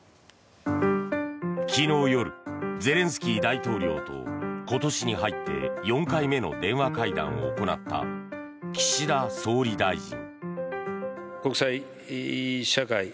昨日夜、ゼレンスキー大統領と今年に入って４回目の電話会談を行った岸田総理大臣。